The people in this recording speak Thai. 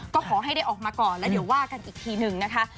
ก็ขอให้ได้ออกมาก่อนแล้วเดี๋ยวว่ากันอีกทีหนึ่งนะคะ